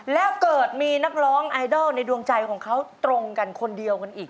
แล้วเกิดมีนักร้องไอดอลในดวงใจของเขาตรงกันคนเดียวกันอีก